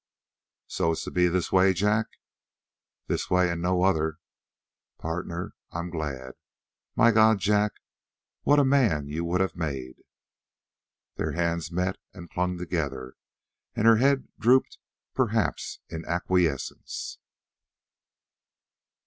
"So it's to be this way, Jack?" "This way, and no other." "Partner, I'm glad. My God, Jack, what a man you would have made!" Their hands met and clung together, and her head had drooped, perhaps in acquiescence.